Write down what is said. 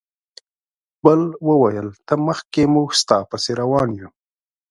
بل وویل ته مخکې موږ ستا پسې روان یو.